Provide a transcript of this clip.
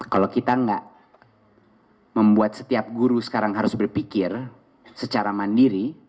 kalau kita nggak membuat setiap guru sekarang harus berpikir secara mandiri